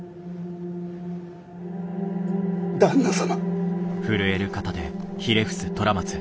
旦那様。